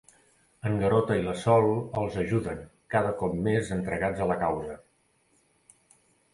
En Garota i la Sol els ajuden, cada cop més entregats a la causa.